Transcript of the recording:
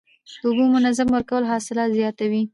د اوبو منظم ورکول حاصلات زیاتوي.